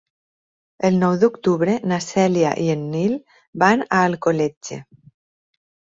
El nou d'octubre na Cèlia i en Nil van a Alcoletge.